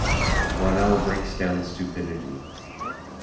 Ronell breaks down stupidity.